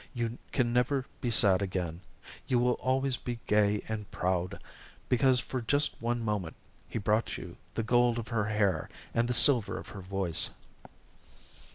"You can never be sad again you will always be gay and proud because for just one moment he brought you the gold of her hair and the silver of her voice."